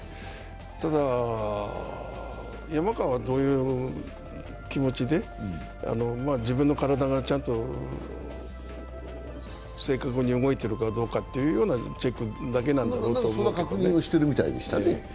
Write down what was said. ただ、山川は、どういう気持ちで自分の体がちゃんと正確に動いてるかどうかというチェックだけなんだろうと思うけどね。